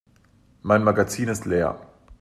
Mein Magazin ist leer.